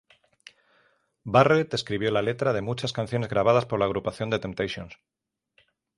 Barrett escribió la letra de muchas canciones grabadas por la agrupación The Temptations.